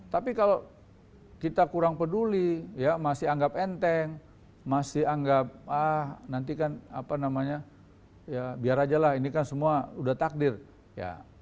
tapi kalau kita kurang peduli ya masih anggap enteng masih anggap ah nanti kan apa namanya ya biar aja lah ini kan semua udah takdir ya